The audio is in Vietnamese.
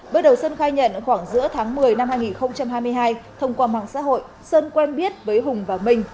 bước đầu sơn khai nhận khoảng giữa tháng một mươi năm hai nghìn hai mươi hai thông qua mạng xã hội sơn quen biết với hùng và minh